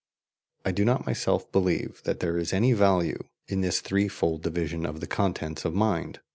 I do not myself believe that there is any value in this threefold division of the contents of mind.